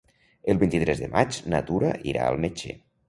El vint-i-tres de maig na Tura irà al metge.